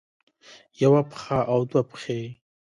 يوه پښه او دوه پښې